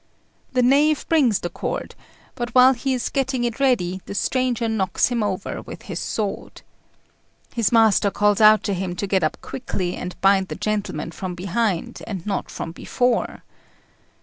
The knave brings the cord; but, while he is getting it ready, the stranger knocks him over with his sword. His master calls out to him to get up quickly and bind the gentleman from behind, and not from before.